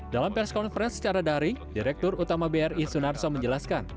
dalam perskonferens secara daring direktur utama bri sunarso menjelaskan